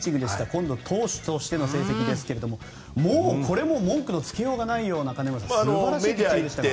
今度は投手としての成績ですがもうこれも文句のつけようがないような金村さん素晴らしいものでした。